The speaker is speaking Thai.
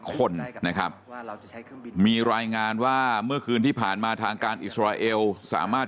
คนนะครับมีรายงานว่าเมื่อคืนที่ผ่านมาทางการอิสราเอลสามารถ